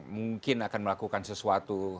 mungkin akan melakukan sesuatu